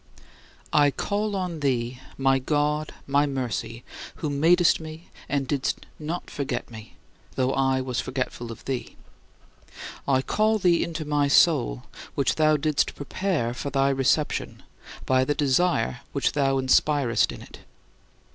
I call on thee, my God, my Mercy, who madest me and didst not forget me, though I was forgetful of thee. I call thee into my soul, which thou didst prepare for thy reception by the desire which thou inspirest in it.